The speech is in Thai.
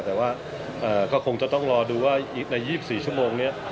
แต่ว่าก็คงจะต้องรอดูว่าใน๒๔ชั่วโมงนี้